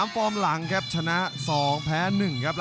ฟอร์มหลังครับชนะ๒แพ้๑ครับ